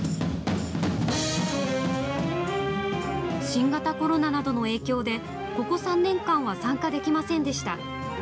新型コロナなどの影響でここ３年間は参加できませんでした。